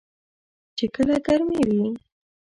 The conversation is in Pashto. چې کله ګرمې وي .